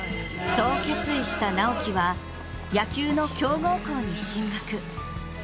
そう決意した直喜は、野球の強豪校に進学。